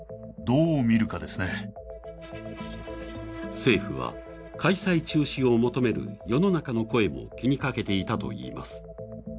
政府は開催中止を求める世の中の声を気にかけていたといいます。